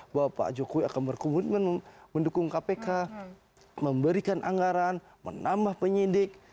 bahwa pak jokowi akan berkomitmen mendukung kpk memberikan anggaran menambah penyidik